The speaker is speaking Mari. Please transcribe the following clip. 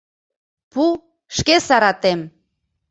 Пу, шке саратем.